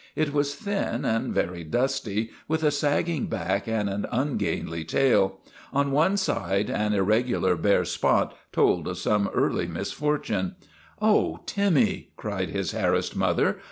It was thin and very dusty, with a sagging back and an ungainly tail. On one side an irregular bare spot told of some early misfor tune. " Oh, Timmy !' cried his harassed mother.